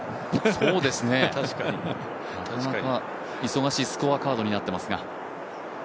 なかなか忙しいスコアカードになっていますが。